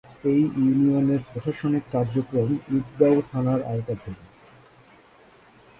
এ ইউনিয়নের প্রশাসনিক কার্যক্রম ঈদগাঁও থানার আওতাধীন।